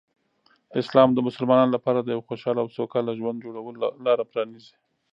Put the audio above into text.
اسلام د مسلمانانو لپاره د یو خوشحال او سوکاله ژوند جوړولو لاره پرانیزي.